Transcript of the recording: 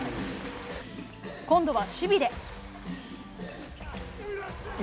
今度は守備で。